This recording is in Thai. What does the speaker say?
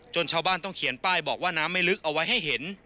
ชาวบ้านต้องเขียนป้ายบอกว่าน้ำไม่ลึกเอาไว้ให้เห็น